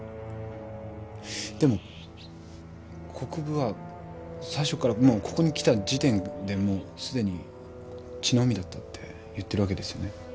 でも国府は最初からもうここに来た時点ですでに血の海だったって言ってるわけですよね？